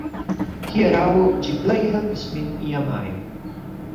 Hieraŭ, ĝi plej helpis min iam ajn